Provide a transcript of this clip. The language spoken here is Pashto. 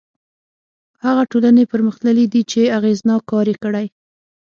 هغه ټولنې پرمختللي دي چې اغېزناک کار یې کړی.